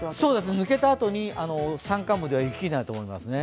抜けたあとに山間部では雪になると思いますね。